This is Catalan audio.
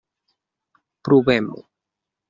Provem-ho.